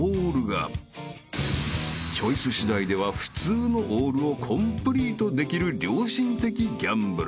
［チョイス次第では普通のオールをコンプリートできる良心的ギャンブル］